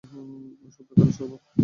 ওই শব্দকরা শরবত।